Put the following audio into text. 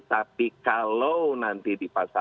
tapi kalau nanti dipastikan